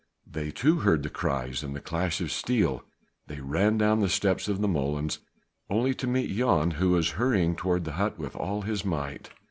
They too heard the cries and the clash of steel; they ran down the steps of the molens, only to meet Jan who was hurrying toward the hut with all his might.